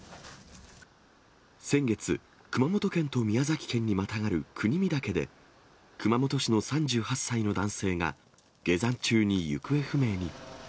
先月、熊本県と宮崎県にまたがる国見岳で、熊本市の３８歳の男性が、下山中に行方不明に。